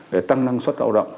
để tăng năng suất lao động